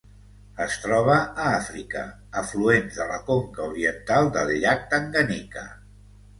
Es troba a Àfrica: afluents de la conca oriental del llac Tanganyika.